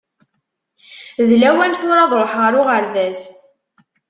D lawan tura ad ṛuḥeɣ ar uɣerbaz.